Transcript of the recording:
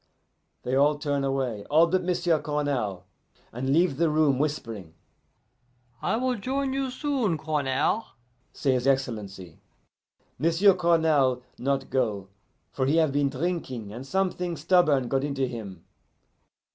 They all turn away, all but M'sieu' Cournal, and leave the room, whispering. 'I will join you soon, Cournal,' say his Excellency. M'sieu' Cournal not go, for he have been drinking, and something stubborn got into him.